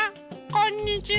こんにちは。